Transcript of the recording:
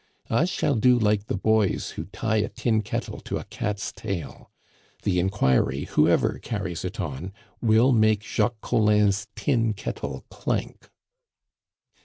I shall do like the boys who tie a tin kettle to a cat's tail; the inquiry, whoever carries it on, will make Jacques Collin's tin kettle clank."